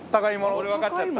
俺わかっちゃった。